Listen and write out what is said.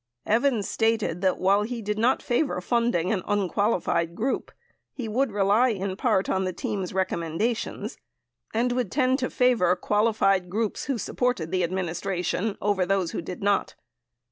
Evans stated that while he did not favor funding an unqualified group, he would rely in part on the "team's" recommendations and tend to favor qualified groups who supported the administration over those who did not.